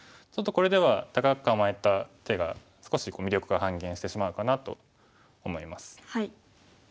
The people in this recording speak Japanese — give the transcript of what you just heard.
ちょっとこれでは高く構えた手が少し魅力が半減してしまうかなと思います。